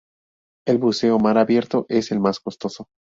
El buceo mar abierto es el más costoso.